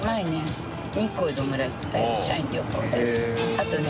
あとね┐